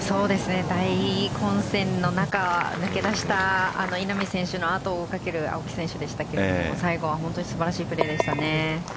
大混戦の中、抜けだした稲見選手の後を追い掛ける青木選手でしたが最後は素晴らしいプレーでした。